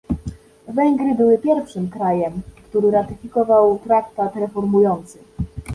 Węgry były pierwszym krajem, który ratyfikował traktat reformujący